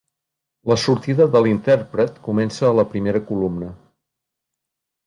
La sortida de l'intèrpret comença a la primera columna.